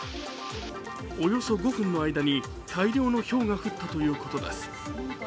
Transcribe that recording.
およそ５分の間に大量のひょうが降ったということです。